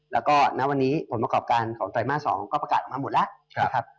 แล้วก็ณวันนี้ผลประกอบการของไตรมาส๒ก็ประกาศออกมาหมดแล้วนะครับ